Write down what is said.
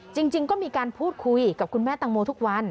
จริงก็มีการพูดคุยกับคุณแม่ตังโมทุกวัน